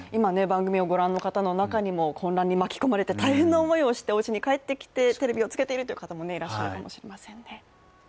番組をご覧の方の中にも混乱に巻き込まれて大変な思いをしておうちに帰ってきてテレビをつけているという方もいらっしゃるかもしれませんね。